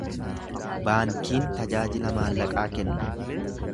Baankiin tajaajila maallaqaa kenna.